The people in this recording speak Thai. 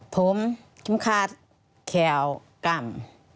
ผมเข็มขัดขี่แข่วกำ